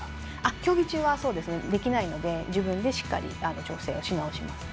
競技中はできないので自分でしっかり調整し直します。